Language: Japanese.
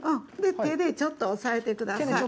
手でちょっと押さえてください。